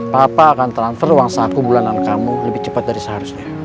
papa akan transfer uang saku bulanan kamu lebih cepat dari seharusnya